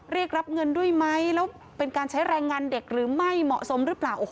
เรียกรับเงินด้วยไหมแล้วเป็นการใช้แรงงานเด็กหรือไม่เหมาะสมหรือเปล่า